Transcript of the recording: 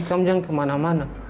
kamu jangan kemana mana